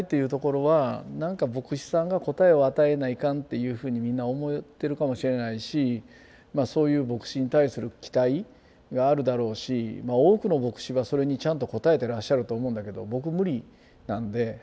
いうふうにみんな思ってるかもしれないしそういう牧師に対する期待があるだろうし多くの牧師はそれにちゃんと応えてらっしゃると思うんだけど僕無理なんで。